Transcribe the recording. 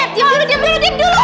diam dulu diam dulu diam dulu